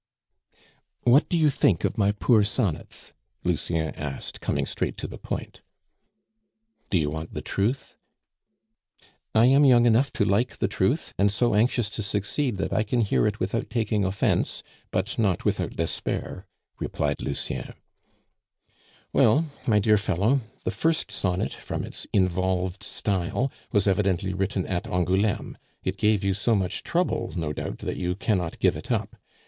"What do you think of my poor sonnets?" Lucien asked, coming straight to the point. "Do you want the truth?" "I am young enough to like the truth, and so anxious to succeed that I can hear it without taking offence, but not without despair," replied Lucien. "Well, my dear fellow, the first sonnet, from its involved style, was evidently written at Angouleme; it gave you so much trouble, no doubt, that you cannot give it up.